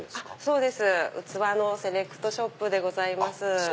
そうです器のセレクトショップでございます。